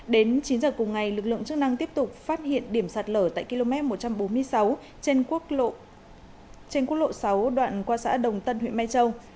đến chín giờ cùng ngày lực lượng chức năng tiếp tục phát hiện điểm sạt lở tại km một trăm bốn mươi sáu trên quốc lộ sáu đoạn qua xã đồng tân huyện mai châu